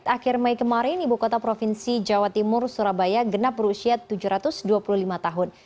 akhir mei kemarin ibu kota provinsi jawa timur surabaya genap berusia tujuh ratus dua puluh lima tahun